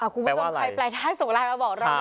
คุณผู้ชมใครแปลได้ส่งไลน์มาบอกเราหน่อยนะคะ